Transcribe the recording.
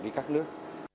đi các nước